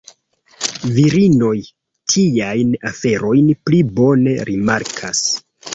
Virinoj tiajn aferojn pli bone rimarkas.